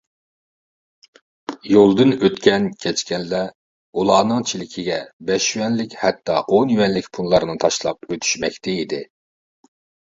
يولدىن ئۆتكەن كەچكەنلەر ئۇلارنىڭ چېلىكىگە بەش يۈەنلىك ھەتتا ئون يۈەنلىك پۇللارنى تاشلاپ ئۆتۈشمەكتە ئىدى.